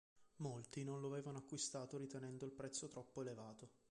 Molti non lo avevano acquistato ritenendo il prezzo troppo elevato.